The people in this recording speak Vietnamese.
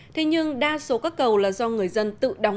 thế nhưng đa số các cầu là do người dân tự đóng